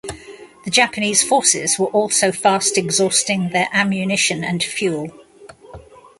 The Japanese forces were also fast exhausting their ammunition and fuel.